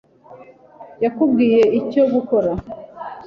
yakubwiye icyo gukora